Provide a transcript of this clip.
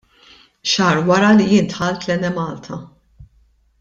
Xahar wara li jien dħalt l-Enemalta.